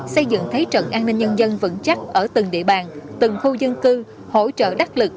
xây dựng thế trận an ninh nhân dân vững chắc ở từng địa bàn từng khu dân cư hỗ trợ đắc lực